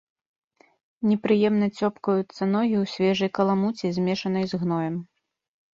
Непрыемна цёпкаюцца ногі ў свежай каламуці, змешанай з гноем.